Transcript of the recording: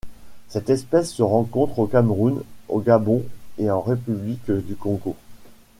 Cette espèce se rencontre au Cameroun, au Gabon et en République du Congo.